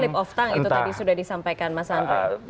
slip of tongue itu tadi sudah disampaikan mas andro